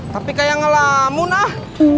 tapi kayak ngelamun ah